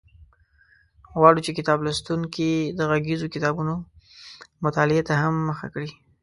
غواړو چې کتاب لوستونکي د غږیزو کتابونو مطالعې ته هم مخه کړي.